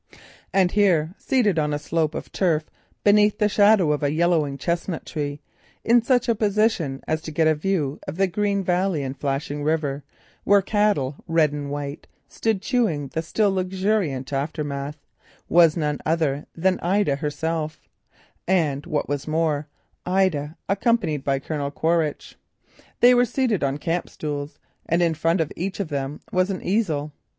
And here, seated on a bank of turf beneath the shadow of a yellowing chestnut tree, in such position as to get a view of the green valley and flashing river where cattle red and white stood chewing the still luxuriant aftermath, was none other than Ida herself, and what was more, Ida accompanied by Colonel Quaritch. They were seated on campstools, and in front of each of them was an easel.